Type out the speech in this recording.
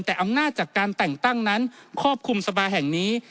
แต่อำนาจจากการแต่งตั้งนั้นครอบคลุมสภาแห่งนี้